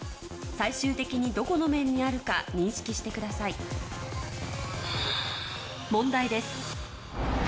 最終的にどこの面にあるか認識してください問題です